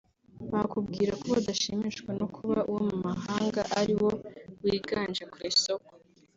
bakubwira ko badashimishwa no kuba uwo mu mahanga ari wo wiganje ku isoko